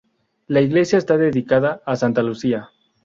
La iglesia está dedicada a Santa Lucía.